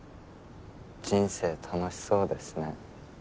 人生楽しそうですね。